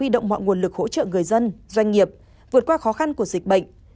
động mọi nguồn lực hỗ trợ người dân doanh nghiệp vượt qua khó khăn của dịch bệnh